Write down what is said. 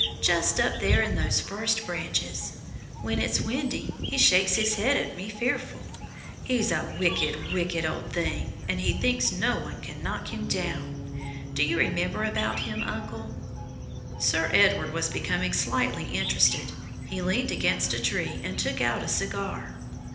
Just up there in those first branches. When it's windy he shakes his head at me fearful! He's a wicked, wicked old thing, and he thinks no one can knock him down. Do you remember about him, uncle?" Sir Edward was becoming slightly interested. He leaned against a tree and took out a cigar.